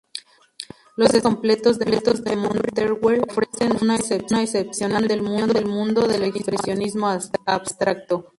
Los escritos completos de Motherwell ofrecen una excepcional visión del mundo del expresionismo abstracto.